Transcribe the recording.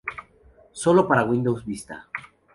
Sólo para Windows Vista.